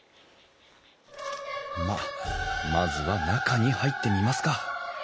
まあまずは中に入ってみますか。